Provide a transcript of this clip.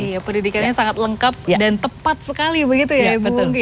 iya pendidikannya sangat lengkap dan tepat sekali begitu ya ibu tungki